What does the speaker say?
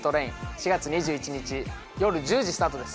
４月２１日夜１０時スタートです